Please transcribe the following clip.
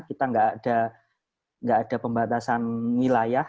kita nggak ada pembatasan wilayah